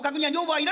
「はい」。